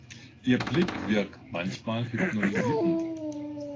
Ihr Blick wirkt manchmal hypnotisierend.